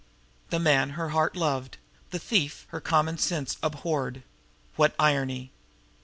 The man her heart loved; the thief her common sense abhorred! What irony!